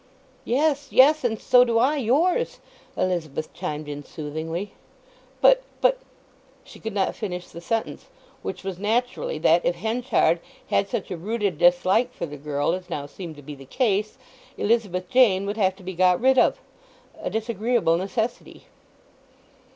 "Yes, yes—and so do I yours!" Elizabeth chimed in soothingly. "But—but—" She could not finish the sentence, which was, naturally, that if Henchard had such a rooted dislike for the girl as now seemed to be the case, Elizabeth Jane would have to be got rid of—a disagreeable necessity.